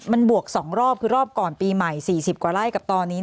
มันบวกสองรอบคือรอบก่อนปีใหม่สี่สิบกว่าไร่กับตอนนี้น่ะ